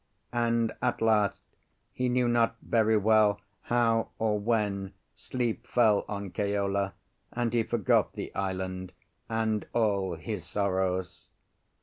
And at last, he knew not very well how or when, sleep feel on Keola, and he forgot the island and all his sorrows.